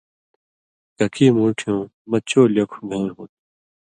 ککی مُوٹھیُون مہ چو لیکھوۡ گَھیں ہُو تُھو۔